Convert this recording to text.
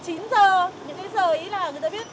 những cái giờ ý là người ta biết